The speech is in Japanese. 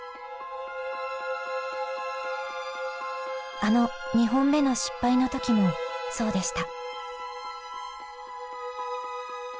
あの２本目の失敗の時もそうでした。